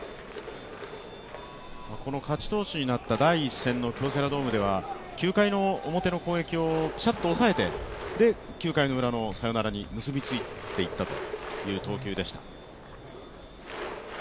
この勝ち投手になった第１戦の京セラドームでは９回表の攻撃をピシャッと抑えて９回のサヨナラに結びついた投球でした。